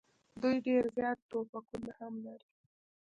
دوی ډېر زیات توپکونه هم لري.